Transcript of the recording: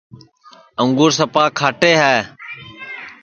انگور سپا کھاٹے ہے